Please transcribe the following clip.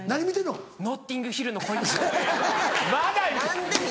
『ノッティングヒルの恋人』です。